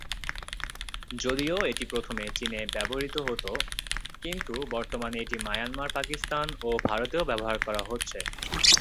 যদিও এটি প্রথমে চীনে ব্যবহৃত হতো, কিন্তু বর্তমানে এটি মায়ানমার পাকিস্তান ও ভারতেও ব্যবহার করা হচ্ছে।